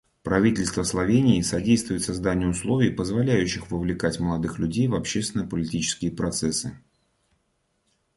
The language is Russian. Правительство Словении содействует созданию условий, позволяющих вовлекать молодых людей в общественно-политические процессы.